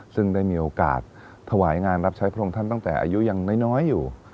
ซึ่งได้มีโอกาสถวายงานรับใช้พระองค์ท่านตั้งแต่อายุยังน้อยอยู่